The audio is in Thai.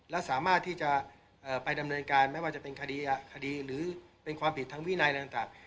และสามารถที่จะไปดำเนินการไม่ว่าจะเป็นคดีหรือเป็นความผิดทางวินัยอะไรต่าง